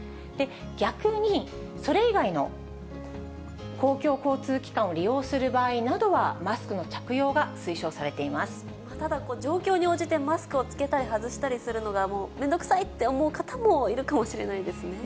逆にそれ以外の公共交通機関を利用する場合などは、マスクの着用ただ、状況に応じてマスクを着けたり外したりするのが、面倒くさいと思う方もいるかもしれないですね。